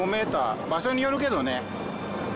場所によるけどね。